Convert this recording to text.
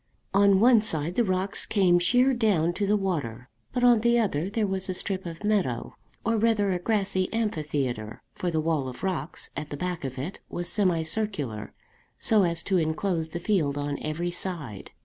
On one side the rocks came sheer down to the water, but on the other there was a strip of meadow, or rather a grassy amphitheatre, for the wall of rocks at the back of it was semi circular, so as to enclose the field on every side.